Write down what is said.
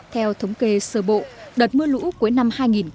theo thống kê sở bộ đợt mưa lũ cuối năm hai nghìn một mươi sáu